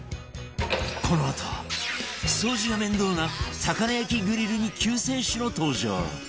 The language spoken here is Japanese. このあと掃除が面倒な魚焼きグリルに救世主の登場